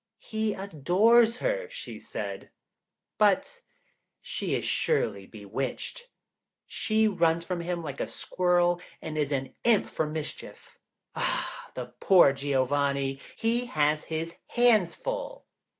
"He adores her," she said, "but she is surely bewitched. She runs from him like a squirrel, and is an imp for mischief. Ah, the poor Giovanni he has his hands full!"